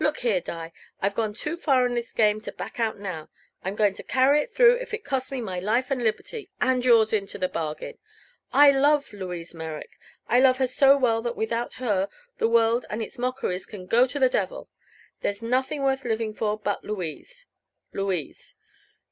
"Look here, Di; I've gone too far in this game to back out now, I'm going to carry it through if it costs me my life and liberty and yours into the bargain! I love Louise Merrick! I love her so well that without her the world and its mockeries can go to the devil! There's nothing worth living for but Louise Louise.